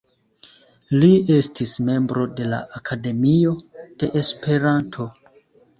Li estis membro de la Akademio de Esperanto.